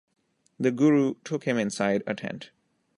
The Guru took him inside a tent.